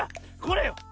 これよ。